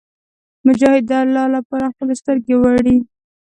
مجاهد د الله لپاره خپلې سترګې وړي.